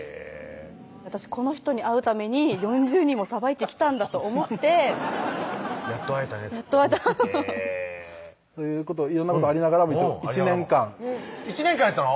私この人に会うために４０人もさばいてきたんだと思って「やっと会えたね」っつってやっと会えた色んなことありながらも一応１年間１年間やったの？